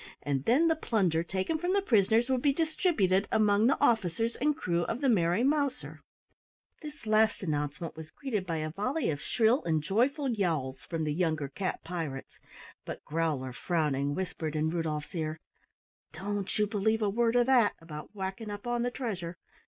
and then the plunder taken from the prisoners would be distributed among the officers and crew of the Merry Mouser. This last announcement was greeted by a volley of shrill and joyful yowls from the younger cat pirates, but Growler, frowning, whispered in Rudolf's ear: "Don't you believe a word of that, about whacking up on the treasure!